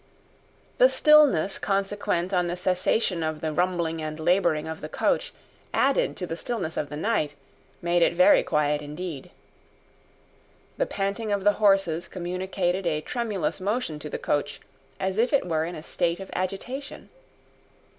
The stillness consequent on the cessation of the rumbling and labouring of the coach, added to the stillness of the night, made it very quiet indeed. The panting of the horses communicated a tremulous motion to the coach, as if it were in a state of agitation.